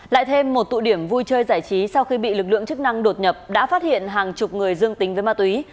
lại thêm một tụ điểm vui chơi giải trí sau khi bị lực lượng chức năng đột nhập đã phát hiện hàng chục người dương tính với ma túy